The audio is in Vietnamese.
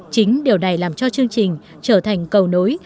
chính điều này làm cho chương trình trở thành cầu nối